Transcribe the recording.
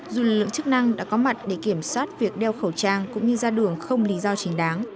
dù lực lượng chức năng đã có mặt để kiểm soát việc đeo khẩu trang cũng như ra đường không lý do chính đáng